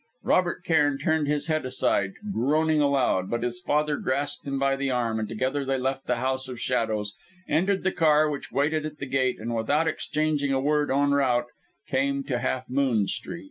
Robert Cairn turned his head aside, groaning aloud, but his father grasped him by the arm, and together they left that house of shadows, entered the car which waited at the gate, and without exchanging a word en route, came to Half Moon Street.